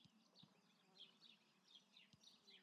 اوس پوښتنه داده چي انسان ولي مدني ژوند ته داخليږي؟